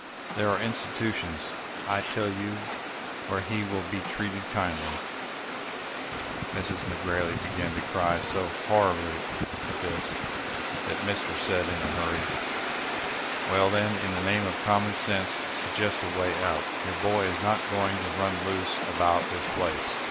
There are institutions, I tell you, where he will be treated kindly.' "Mrs. McGrailey began to cry so horribly at this, that mister said in a hurry, 'Well, then, in the name of common sense, suggest a way out. Your boy is not going to run loose about this place.